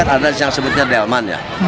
mengulas sagtean untuk mengendalikannya